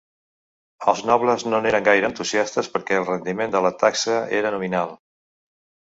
Els nobles no n'eren gaire entusiastes, perquè el rendiment de la taxa era nominal.